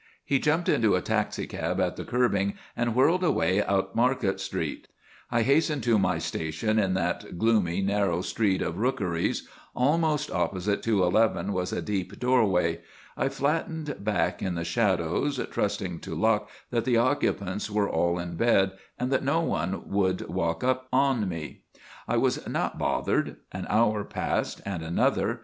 He jumped into a taxicab at the curbing and whirled away out Market Street. I hastened to my station, in that gloomy, narrow street of rookeries. Almost opposite 211 was a deep doorway. I flattened back in the shadows, trusting to luck that the occupants were all in bed and that no one would walk up on me. I was not bothered. An hour passed and another.